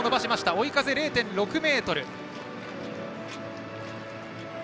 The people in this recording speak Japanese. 追い風０．６メートル。